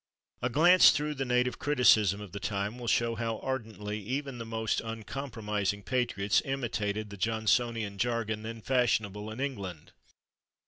A glance through the native criticism of the time will show how ardently even the most uncompromising patriots imitated the Johnsonian jargon then fashionable in England.